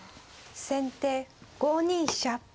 先手５二飛車。